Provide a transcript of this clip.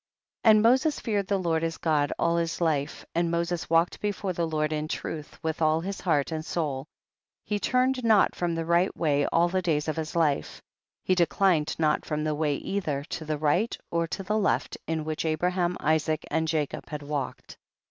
37. And Moses feared the Lord his God all his life, and Moses walked before the Lord in truth, with all his heart and soul, he turned not from the right way all the days of his life ; he declined not from the way either to the right or to the left, in which Abraham, Isaac and Jacob had walked.